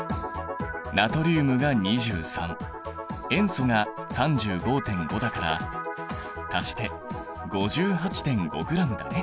ナトリウムが２３塩素が３５．５だから足して５８．５ｇだね。